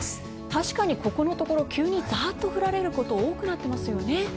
確かにここのところ急にザーッと降られることが多くなっていますよね。